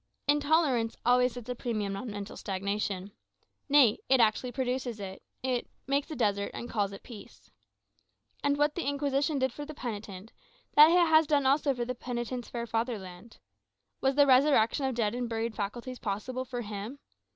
Intolerance always sets a premium on mental stagnation. Nay, it actually produces it; it "makes a desert, and calls it peace." And what the Inquisition did for the penitent, that it has done also for the penitent's fair fatherland. Was the resurrection of dead and buried faculties possible for him?